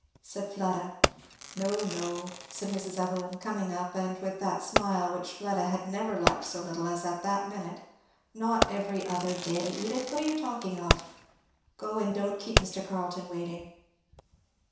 said Fleda. "No, no," said Mrs. Evelyn coming up, and with that smile which Fleda had never liked so little as at that minute, "not every other day, Edith, what are you talking of? Go and don't keep Mr. Carleton waiting."